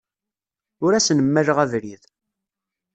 Ur asen-mmaleɣ abrid.